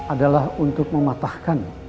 adalah untuk mematahkan